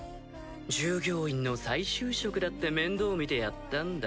従業員の再就職だって面倒見てやったんだ。